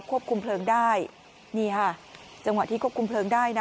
ควบคุมเพลิงได้นี่ค่ะจังหวะที่ควบคุมเพลิงได้นะ